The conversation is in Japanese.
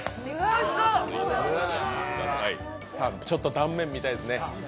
断面見たいですね。